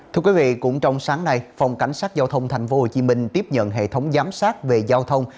thưa quý vị cũng trong sáng nay phòng cảnh sát giao thông tp hcm tiếp nhận hệ thống giám sát về giao thông